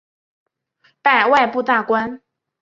拜外部大官。